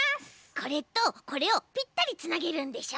これとこれをぴったりつなげるんでしょ？